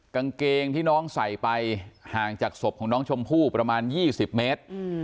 กางเกงที่น้องใส่ไปห่างจากศพของน้องชมพู่ประมาณ๒๐เมตร